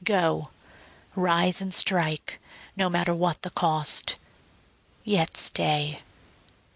Go; rise and strike, no matter what the cost. Yet stay.